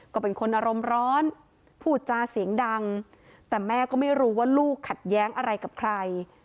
ก็เป็นคนอารมณ์ร้อนพูดจาเสียงดังแต่แม่ก็ไม่รู้ว่าลูกขัดแย้งอะไรกับใคร